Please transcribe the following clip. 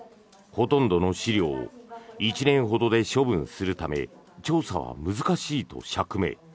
ほとんどの資料を１年ほどで処分するため調査は難しいと釈明。